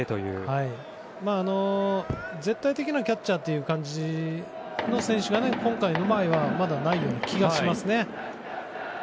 絶対的なキャッチャーという感じの選手が今回の場合はまだないような気がしますね。